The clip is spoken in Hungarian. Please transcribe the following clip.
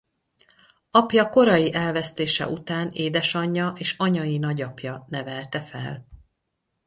Apja korai elvesztése után édesanyja és anyai nagyapja nevelte fel.